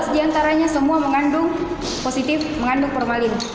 dua belas di antaranya semua mengandung positif mengandung formalin